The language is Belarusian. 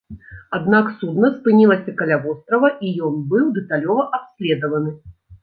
Аднак судна спынілася каля вострава, і ён быў дэталёва абследаваны.